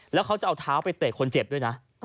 แล้วเขาจะเอาเท้าไปเตะคนเจ็บด้วยนะ